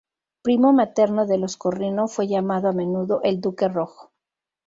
Primo materno de los Corrino, fue llamado a menudo el "Duque Rojo".